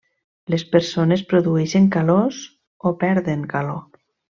Les persones produeixen calors o perden calor.